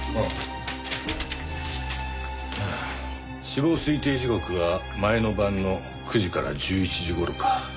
死亡推定時刻は前の晩の９時から１１時頃か。